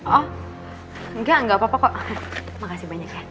oh enggak enggak apa apa kok makasih banyak ya